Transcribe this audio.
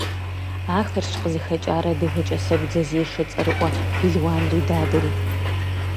Ахэрщ къызыхэкӀар адыгэ кӀэсэгу дзэзешэ цӀэрыӀуэ, пелуан Ридадэри.